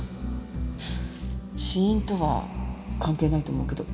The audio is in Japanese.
死因とは関係ないと思うけど。